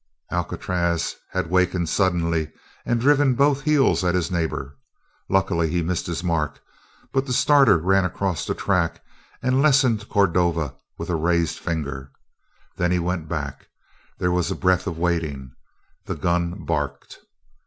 Alcatraz had wakened suddenly and driven both heels at his neighbor. Luckily he missed his mark, but the starter ran across the track and lessoned Cordova with a raised finger. Then he went back; there was a breath of waiting; the gun barked!